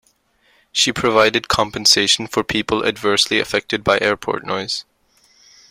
She provided compensation for people adversely affected by airport noise.